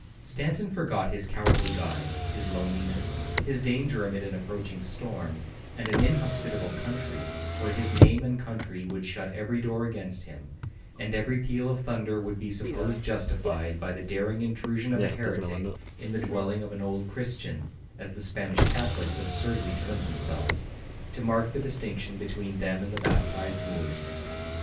Stanton forgot his cowardly guide, his loneliness, his danger amid an approaching storm and an inhospitable country, where his name and country would shut every door against him, and every peal of thunder would be supposed justified by the daring intrusion of a heretic in the dwelling of an old Christian, as the Spanish Catholics absurdly term themselves, to mark the distinction between them and the baptised Moors.